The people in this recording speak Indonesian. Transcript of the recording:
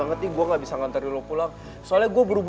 eh apa apa lah